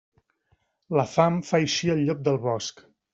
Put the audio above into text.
La fam fa eixir el llop del bosc.